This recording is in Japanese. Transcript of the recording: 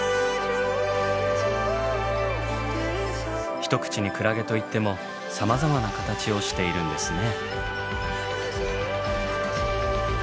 一口にクラゲといってもさまざまな形をしているんですね。